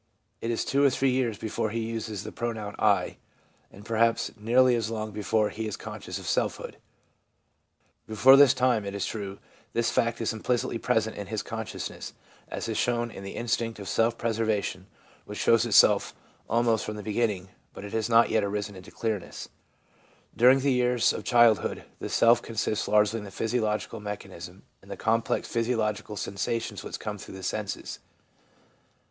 It is two or three years before he uses the pronoun ' 1/ and perhaps nearly as long before he is conscious of his selfhood. Before this time, it is true, this fact is implicitly present in his consciousness, as is shown in the instinct of self preservation which shows itself almost from the beginning, but it has not yet arisen into clearness. During the early years of childhood the self consists largely in the physiological mechanism and the complex of physiological sensations which come through the senses.